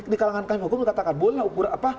di kalangan hakim hukum dikatakan boleh lah ukuran apa